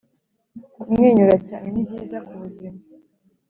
kumwenyura cyane ni byiza ku buzima